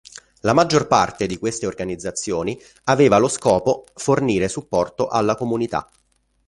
La maggior parte di queste organizzazioni aveva lo scopo fornire supporto alla comunità.